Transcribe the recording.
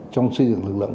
trong xây dựng lực lượng